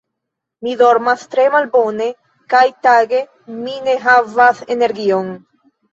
Mi dormas tre malbone, kaj tage mi ne havas energion.